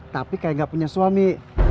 tapi kayak gak punya suami